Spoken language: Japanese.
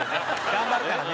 頑張るからね。